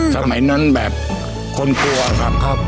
สมัยนั้นแบบคนกลัวครับ